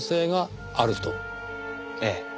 ええ。